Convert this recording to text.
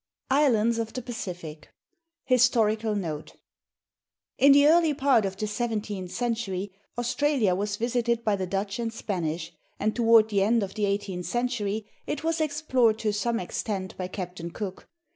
ISLANDS OF THE PACIFIC HISTORICAL NOTE In the early part of the seventeenth century, Australia was visited by the Dutch and Spanish, and toward the end of the eighteenth century, it was explored to some extent by Captain Cook.